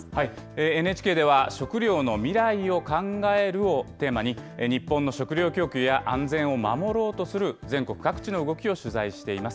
ＮＨＫでは食料の未来を考えるをテーマに、日本の食料供給や安全を守ろうとする全国各地の動きを取材しています。